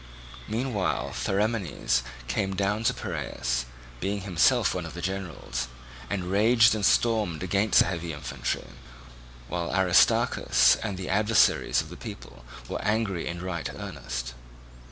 Meanwhile Theramenes came down to Piraeus, being himself one of the generals, and raged and stormed against the heavy infantry, while Aristarchus and the adversaries of the people were angry in right earnest.